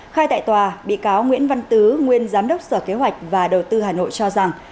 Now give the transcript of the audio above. khai tại tòa bị cáo nguyễn văn tứ nguyên giám đốc sở kế hoạch và đầu tư hà nội cho rằng